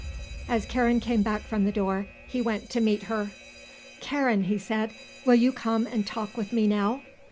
_" As Karen came back from the door he went to meet her. "Karen," he said, "will you come and talk with me, now?"